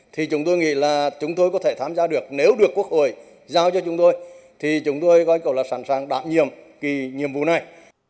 thì chúng tôi nghĩ là chúng tôi có thể tham gia được nếu được quốc hội giao cho chúng tôi thì chúng tôi gọi cầu là sẵn sàng đảm nhiệm cái nhiệm vụ này